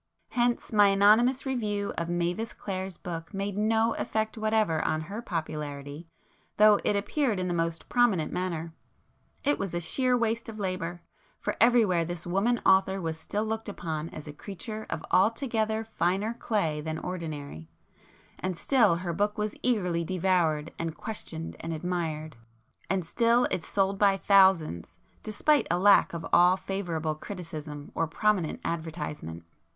Hence, my anonymous review of Mavis Clare's book made no effect whatever on her popularity, though it appeared in the most prominent manner. It was a sheer waste of labour,—for everywhere this woman author was still looked upon as a creature of altogether finer clay than ordinary, and still her [p 183] book was eagerly devoured and questioned and admired; and still it sold by thousands, despite a lack of all favourable criticism or prominent advertisement.